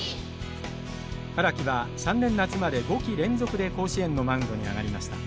荒木は３年夏まで５季連続で甲子園のマウンドに上がりました。